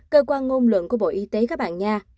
cơ quan ngôn luận của bộ y tế các bạn nga